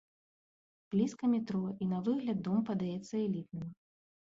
Блізка метро, і на выгляд дом падаецца элітным.